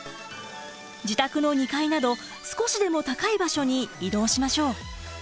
自宅の２階など少しでも高い場所に移動しましょう。